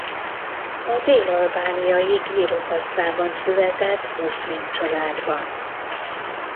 A dél-albániai Gjirokastrában született muszlim családban.